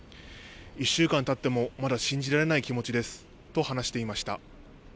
１週間たっても、まだ信じられない気持ちですと話していました。